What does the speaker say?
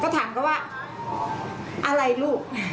ถามเขาว่าอะไรลูก